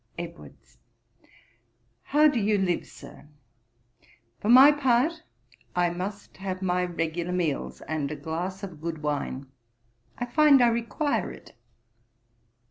EDWARDS. 'How do you live, Sir? For my part, I must have my regular meals, and a glass of good wine. I find I require it.'